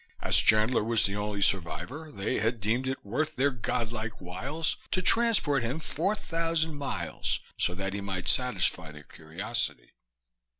As Chandler was the only survivor they had deemed it worth their godlike whiles to transport him four thousand miles so that he might satisfy their curiosity.